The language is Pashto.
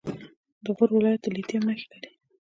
د غور ولایت د لیتیم نښې لري.